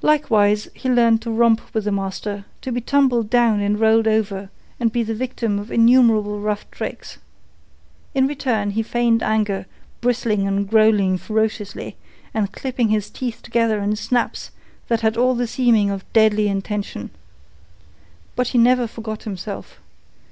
Likewise he learned to romp with the master, to be tumbled down and rolled over, and be the victim of innumerable rough tricks. In return he feigned anger, bristling and growling ferociously, and clipping his teeth together in snaps that had all the seeming of deadly intention. But he never forgot himself.